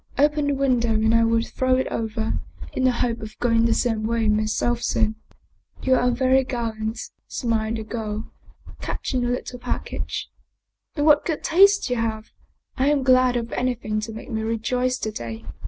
Open the window and I will throw it over, in the hope of going the same way myself soon." " You are very gallant," smiled the girl, catching the lit tle package. " And what good taste you have ! I am glad of anything to make me rejoice to day.